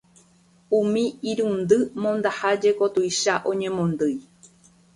Umi irundy mondaha jeko tuicha oñemondýi.